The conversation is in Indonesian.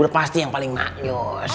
udah pasti yang paling maknyus